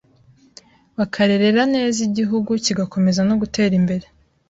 bakarerera neza igihugu kigakomeza no gutera imbere.